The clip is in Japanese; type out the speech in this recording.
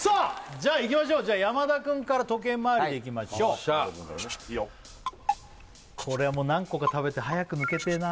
じゃあいきましょう山田くんから時計回りでいきましょう山田くんからねいいよこれはもう何個か食べて早く抜けてえな